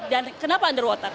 dan kenapa underwater